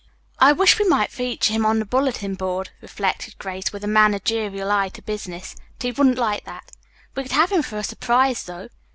"I wish we might feature him on the bulletin board," reflected Grace, with a managerial eye to business, "but he wouldn't like that. We could have him for a surprise, though."